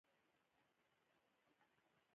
ازادي راډیو د کلتور په اړه د راتلونکي هیلې څرګندې کړې.